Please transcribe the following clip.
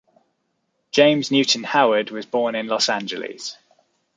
James Newton Howard was born in Los Angeles.